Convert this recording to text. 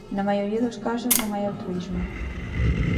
Na maioría dos casos non hai altruísmo.